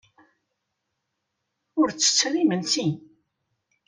Ur ttett ara imensi?